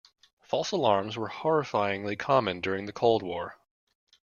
False alarms were horrifyingly common during the Cold War.